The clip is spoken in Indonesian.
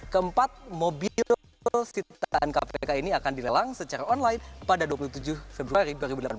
keempat mobil sitaan kpk ini akan dilelang secara online pada dua puluh tujuh februari dua ribu delapan belas